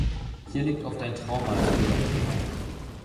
Hier liegt oft ein Trauma als Ursache vor.